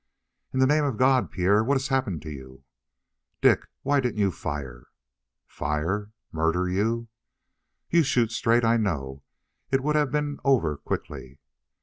"In the name of God, Pierre, what has happened to you?" "Dick, why didn't you fire?" "Fire? Murder you?" "You shoot straight I know it would have been over quickly."